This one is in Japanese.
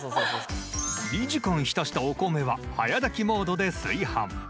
２時間浸したお米は早炊きモードで炊飯。